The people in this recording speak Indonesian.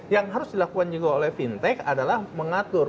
yang harus dilakukan juga oleh fintech adalah mengatur